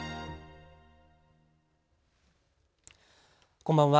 こんばんは。